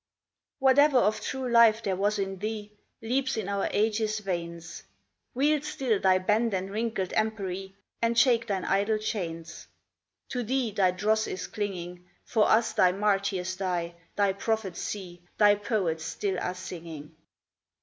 Whatever of true life there was in thee Leaps in our age's veins; Wield still thy bent and wrinkled empery, And shake thine idle chains; To thee thy dross is clinging, For us thy martyrs die, thy prophets see, Thy poets still are singing.